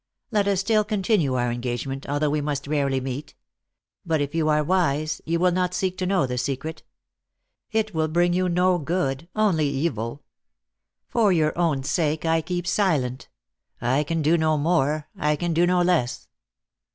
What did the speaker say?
Let us still continue our engagement, although we must rarely meet. But if you are wise, you will not seek to know the secret. It will bring you no good, only evil. For your own sake I keep silent. I can do no more; I can do no less."